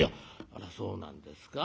「あらそうなんですか。